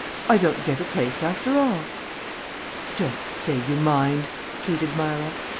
I don't get a place after all." "Don't say you mind," pleaded Myra.